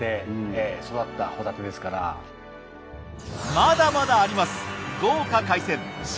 まだまだあります。